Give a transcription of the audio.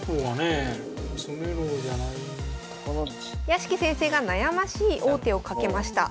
屋敷先生が悩ましい王手をかけました。